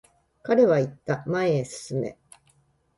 彼は言った、前へ進め。